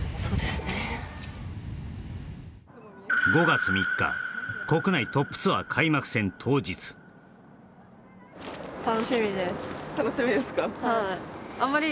５月３日国内トップツアー開幕戦当日楽しみですか？